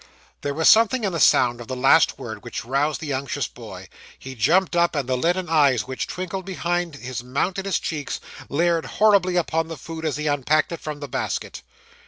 There was something in the sound of the last word which roused the unctuous boy. He jumped up, and the leaden eyes which twinkled behind his mountainous cheeks leered horribly upon the food as he unpacked it from the basket.